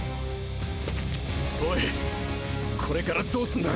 おいこれからどうすんだ？